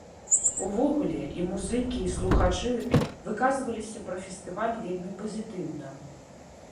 Увогуле, і музыкі, і слухачы выказваліся пра фестываль вельмі пазітыўна.